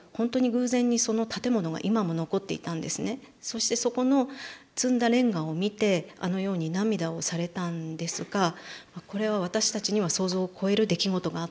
そしてそこの積んだレンガを見てあのように涙をされたんですがこれは私たちには想像を超える出来事があったんだなと思いました。